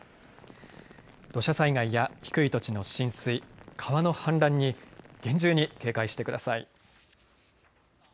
土砂災害や低い土地の浸水川の氾濫に厳重に警戒してください。